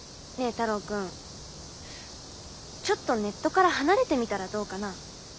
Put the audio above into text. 太郎君ちょっとネットから離れてみたらどうかな。